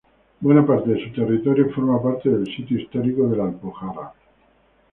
Buena parte de su territorio forma parte del Sitio Histórico de la Alpujarra.